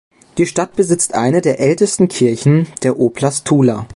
Die Stadt besitzt eine der ältesten Kirchen der Oblast Tula.